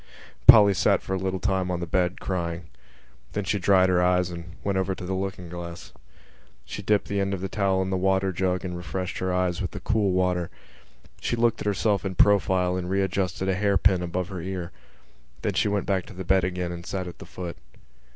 Polly sat for a little time on the side of the bed, crying. Then she dried her eyes and went over to the looking glass. She dipped the end of the towel in the water jug and refreshed her eyes with the cool water. She looked at herself in profile and readjusted a hairpin above her ear. Then she went back to the bed again and sat at the foot.